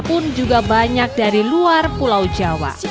pun juga banyak dari luar pulau jawa